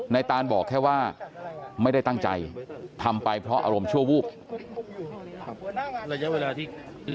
ตานบอกแค่ว่าไม่ได้ตั้งใจทำไปเพราะอารมณ์ชั่ววูบ